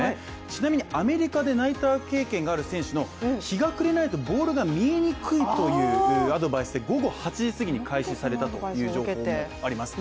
ちなみに、アメリカでナイター経験がある選手の日が暮れないとボールが見えにくいというアドバイスで、午後８時すぎに開始されたという情報もあります。